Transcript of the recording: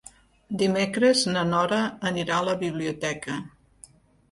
Dimecres na Nora anirà a la biblioteca.